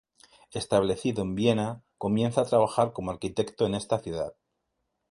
Establecido en Viena, comienza a trabajar como arquitecto en esta ciudad.